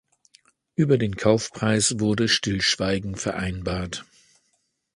Über den Kaufpreis wurde Stillschweigen vereinbart.